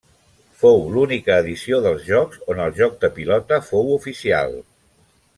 Fou l'única edició dels Jocs on el joc de pilota fou oficial.